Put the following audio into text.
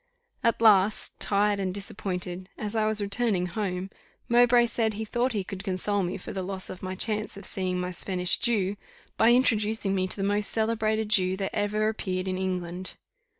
At last, tired and disappointed, as I was returning home, Mowbray said he thought he could console me for the loss of my chance of seeing my Spanish Jew, by introducing me to the most celebrated Jew that ever appeared in England.